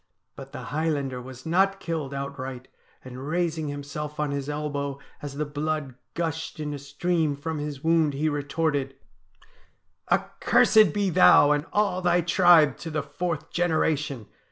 But the Highlander was not killed outright, and, raising himself on his elbow as the blood gushed in a stream from his wound, he retorted :'" Accursed be thou and all thy tribe to the fourth genera tion